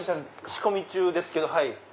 仕込み中ですけど。